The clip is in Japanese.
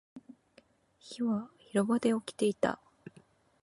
火は広場で起きていた